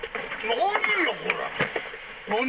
何よ、こら。